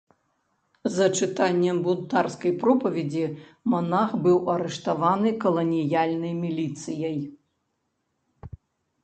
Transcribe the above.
За чытанне бунтарскай пропаведзі манах быў арыштаваны каланіяльнай міліцыяй.